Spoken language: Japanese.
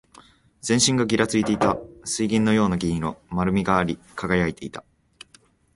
全身がぎらついていた。水銀のような銀色。丸みがあり、輝いていた。